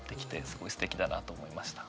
すごいすてきだなと思いました。